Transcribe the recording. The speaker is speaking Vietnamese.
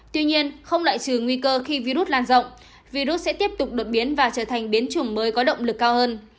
tuy nhiên không loại trừ nguy cơ khi virus lan rộng virus sẽ tiếp tục đột biến và trở thành biến chủng mới có động lực cao hơn